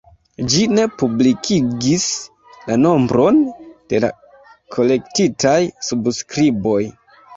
Ĝi ne publikigis la nombron de la kolektitaj subskriboj.